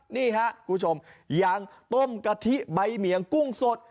นี่ครับคุณผู้ชมอย่างต้มกะทิใบเหมียงกุ้งสด